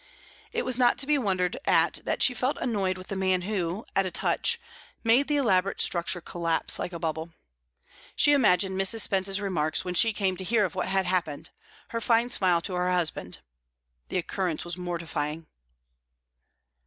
It was not to be wondered at that she felt annoyed with the man who, at a touch, made the elaborate structure collapse like a bubble. She imagined Mrs. Spence's remarks when she came to hear of what had happened, her fine smile to her husband. The occurrence was mortifying.